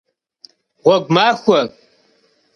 Гъуэгу махуэ!